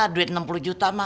duit enam puluh juta mah